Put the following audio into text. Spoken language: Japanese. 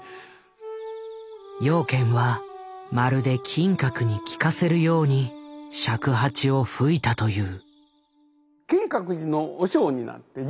養賢はまるで金閣に聞かせるように尺八を吹いたという。